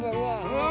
うん。